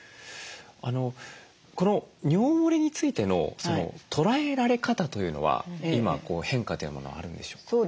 この尿もれについての捉えられ方というのは今変化というものはあるんでしょうか？